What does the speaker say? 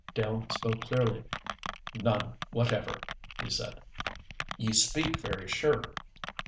Dell spoke clearly. "None whatever," he said. "You speak very sure."